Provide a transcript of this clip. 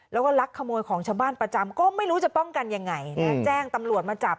แล้วก็ลักขโมยของชาวบ้านประจำก็ไม่รู้จะป้องกันยังไงนะแจ้งตำรวจมาจับ